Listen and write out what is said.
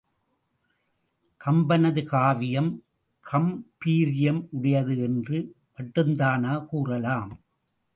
கம்பனது காவியம் காம்பீர்யம் உடையது என்று மட்டுந்தானா கூறலாம்.